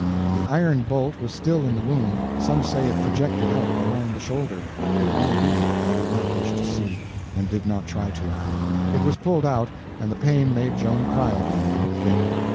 The iron bolt was still in the wound—some say it projected out behind the shoulder. It may be—I did not wish to see, and did not try to. It was pulled out, and the pain made Joan cry again, poor thing.